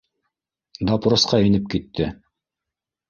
— Допросҡа инеп китте.